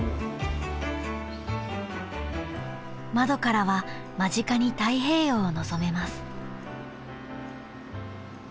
［窓からは間近に太平洋を望めます］